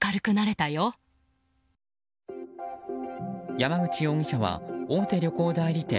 山口容疑者は大手旅行代理店